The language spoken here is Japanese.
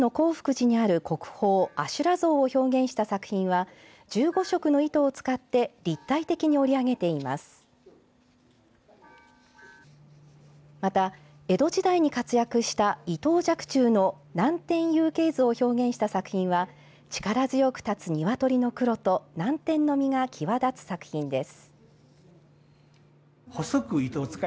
また、江戸時代に活躍した伊藤若沖の南天雄鶏図を表現した作品は力強く立つ鶏の黒と南天の実が際立つ作品です。